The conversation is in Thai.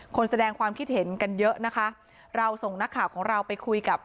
แสดงความคิดเห็นกันเยอะนะคะเราส่งนักข่าวของเราไปคุยกับ